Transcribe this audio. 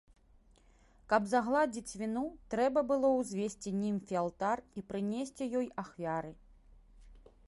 Каб загладзіць віну, трэба было ўзвесці німфе алтар і прынесці ёй ахвяры.